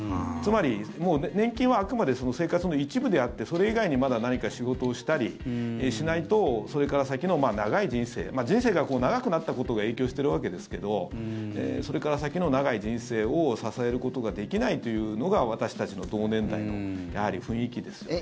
つまり、年金はあくまで生活の一部であってそれ以外にまだ何か仕事をしたりしないとそれから先の長い人生人生が長くなったことが影響しているわけですけどそれから先の長い人生を支えることができないというのが私たちの同年代のやはり雰囲気です。